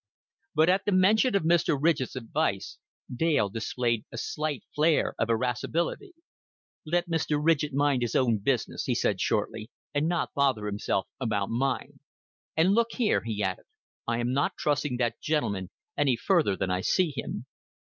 But at the mention of Mr. Ridgett's advice Dale displayed a slight flare of irascibility. "Let Mr. Ridgett mind his own business," he said shortly, "and not bother himself about mine. And look here," he added. "I am not trusting that gentleman any further than I see him."